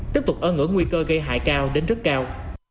tiếp tục ơn ngỡ nguy cơ gây hại cao đến rất cao